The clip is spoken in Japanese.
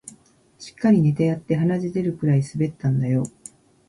しっかりネタやって鼻血出るくらい滑ったんだよ